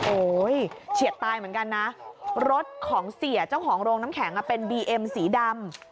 โอ้โหเฉียดตายเหมือนกันนะรถของเสียเจ้าของโรงน้ำแข็งเป็นบีเอ็มสีดำ